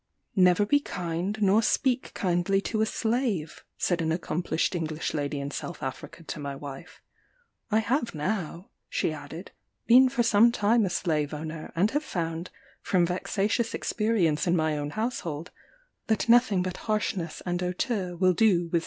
"Never be kind, nor speak kindly to a slave," said an accomplished English lady in South Africa to my wife: "I have now," she added, "been for some time a slave owner, and have found, from vexatious experience in my own household, that nothing but harshness and hauteur will do with slaves."